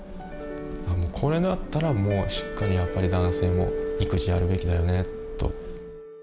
これだったらもうしっかりやっぱり男性も育児やるべきだよねと。